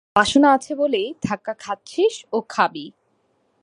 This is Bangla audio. বাসনা আছে বলেই ধাক্কা খাচ্ছিস ও খাবি।